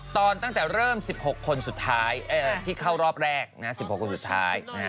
ตั้งแต่เริ่ม๑๖คนสุดท้ายที่เข้ารอบแรก๑๖คนสุดท้าย